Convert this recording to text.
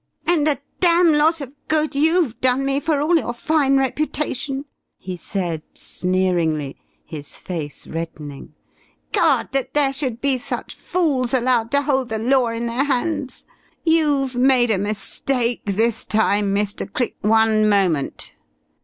"And a damn lot of good you've done me, for all your fine reputation!" he said sneeringly, his face reddening. "God! that there should be such fools allowed to hold the law in their hands! You've made a mistake this time, Mr. Cl " "One moment!"